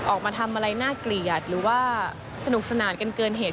ออกมาทำอะไรน่าเกลียดหรือว่าสนุกสนานกันเกินเหตุ